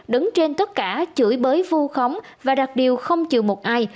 đứng trên tất cả chửi bới vù khóng và đặt điều không chịu một ai